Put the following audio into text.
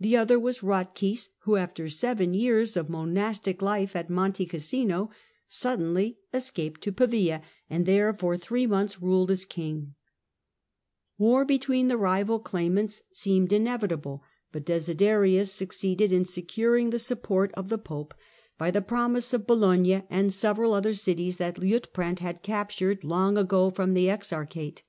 The other was Ratchis, who, after seven years of monastic life at Monte Cassino, suddenly es caped to Pavia and there for three months ruled as king War between the rival claimants seemed inevitable ; but Desiderius succeeded in securing the support of the Pope by the promise of Bologna and several other cities }hat Liutprand had captured long ago from the exar hate.